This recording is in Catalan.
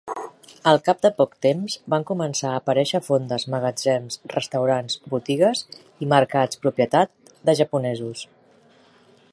Al cap de poc temps, van començar a aparèixer fondes, magatzems, restaurants, botigues i mercats propietat de japonesos.